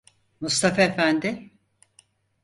Mustafa Efendi!